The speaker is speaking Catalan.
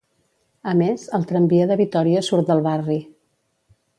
A més, el Tramvia de Vitòria surt del barri.